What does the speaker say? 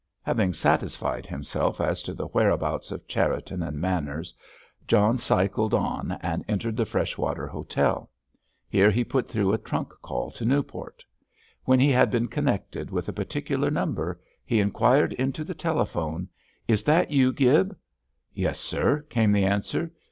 Having satisfied himself as to the whereabouts of Cherriton and Manners, John cycled on and entered the Freshwater Hotel. Here he put through a trunk call to Newport. When he had been connected with a particular number he inquired into the telephone: "Is that you, Gibb?" "Yes, sir," came the answer.